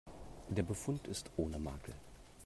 Der Befund ist ohne Makel.